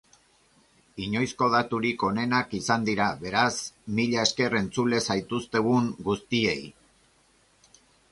Inoizko daturik onenak izan dira, beraz, mila esker entzule zaituztegun guztiei.